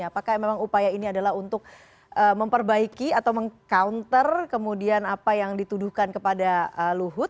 apakah memang upaya ini adalah untuk memperbaiki atau meng counter kemudian apa yang dituduhkan kepada luhut